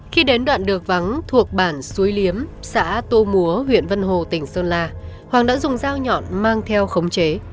khi đến đoạn đường vắng thuộc bản suối liếm xã tô múa huyện vân hồ tỉnh sơn la hoàng đã dùng dao nhọn mang theo khống chế